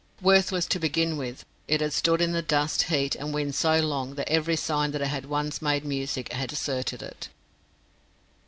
Worthless to begin with, it had stood in the dust, heat, and wind so long that every sign that it had once made music had deserted it.